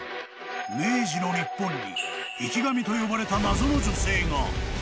明治の日本に生き神と呼ばれた謎の女性が。